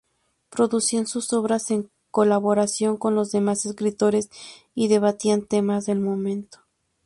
Producían sus obras en colaboración con los demás escritores y debatían temas del momento.